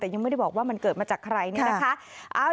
แต่ยังไม่ได้บอกว่ามันเกิดมาจากใครเนี่ยนะคะ